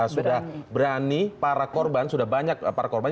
sudah berani para korban sudah banyak para korban